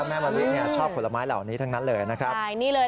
มะลิเนี่ยชอบผลไม้เหล่านี้ทั้งนั้นเลยนะครับ